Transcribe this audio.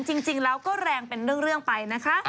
จริงแล้วก็แรงเป็นเรื่องไปนะคะ